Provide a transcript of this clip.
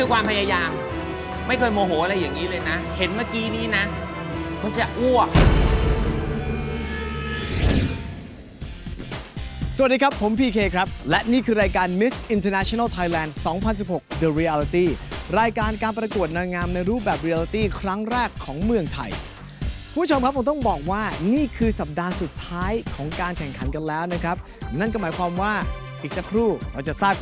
วิวสวยโมโหอะไรอย่างนี้เลยนะเห็นเมื่อกี้นี้น่ะมันจะอวก